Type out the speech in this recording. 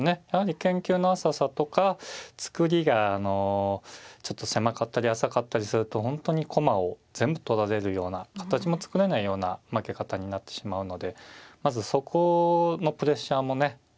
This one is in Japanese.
やはり研究の浅さとかつくりがちょっと狭かったり浅かったりすると本当に駒を全部取られるような形も作れないような負け方になってしまうのでまずそこのプレッシャーもね